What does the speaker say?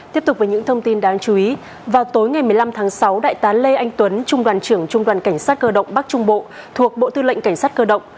tiếp tục với những thông tin đáng chú ý vào tối ngày một mươi năm tháng sáu đại tá lê anh tuấn trung đoàn trưởng trung đoàn cảnh sát cơ động bắc trung bộ thuộc bộ tư lệnh cảnh sát cơ động